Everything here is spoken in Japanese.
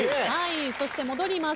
そして戻ります。